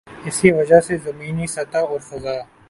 اسی وجہ سے زمینی سطح اور فضا